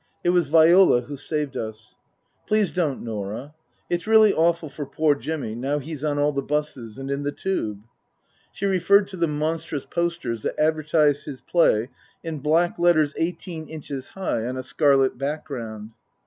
It was Viola who saved us. " Please don't, Norah. It's really awful for poor Jimmy now he's on all the buses and in the Tube ?" She referred to the monstrous posters that advertised his play in black letters eighteen inches high on a scarlet ground.